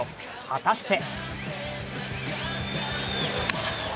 果たして。